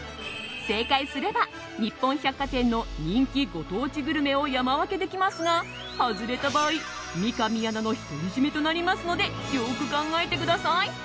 正解すれば日本百貨店の人気ご当地グルメを山分けできますが外れた場合、三上アナの独り占めとなりますのでよく考えてください。